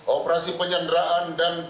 operasi penanggulangan ini